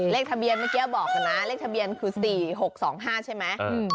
เลขทะเบียนเมื่อกี้บอกนะเลขทะเบียนคือ๔๖๒๕ใช่ไหม